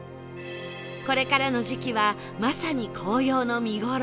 これからの時期はまさに紅葉の見頃